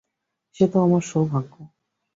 সে তো আমার সৌভাগ্য।